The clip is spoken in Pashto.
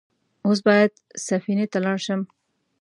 اوس بايد سفينې ته لاړ شم.